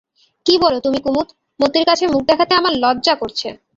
কী বলো তুমি কুমুদ, মতির কাছে মুখ দেখাতে আমার লজ্জা করছে!